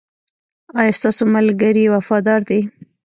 ایا ستاسو ملګري وفادار دي؟